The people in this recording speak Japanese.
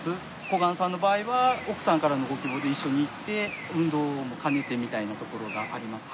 小雁さんの場合は奥さんからのご希望で一緒に行って運動も兼ねてみたいなところがあります。